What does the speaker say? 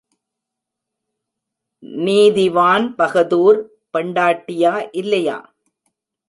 நீ திவான்பகதூர் பெண்டாட்டியா இல்லையா?